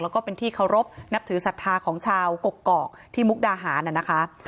แล้วก็เป็นที่เคารพนับถือศรัทธาของชาวกกอกที่มุกดาหารนะคะ